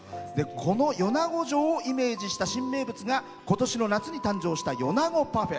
この米子城をイメージした新名物がことしの夏に誕生した４７５パフェ。